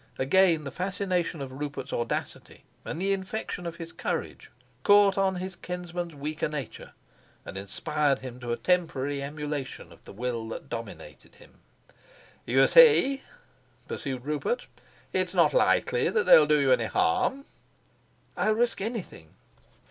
Again the fascination of Rupert's audacity and the infection of his courage caught on his kinsman's weaker nature, and inspired him to a temporary emulation of the will that dominated him. "You see," pursued Rupert, "it's not likely that they'll do you any harm." "I'll risk anything."